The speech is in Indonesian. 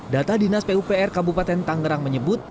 data dinas pupr kabupaten tangerang menyebut